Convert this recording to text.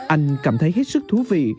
anh cảm thấy hết sức thú vị